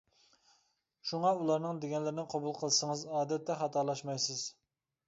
شۇڭا ئۇلارنىڭ دېگەنلىرىنى قوبۇل قىلسىڭىز، ئادەتتە خاتالاشمايسىز.